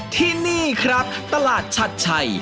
ที่นี่ครับตลาดชัดชัย